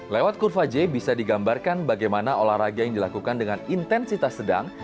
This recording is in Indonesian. lewat kurva j bisa digambarkan bagaimana olahraga yang dilakukan dengan intensitas sedang